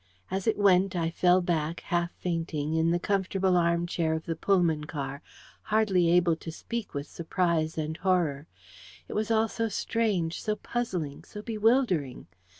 As it went, I fell back, half fainting, in the comfortable armchair of the Pullman car, hardly able to speak with surprise and horror. It was all so strange, so puzzling, so bewildering!